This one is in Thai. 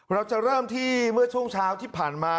เราจะเริ่มที่เมื่อช่วงเช้าที่ผ่านมา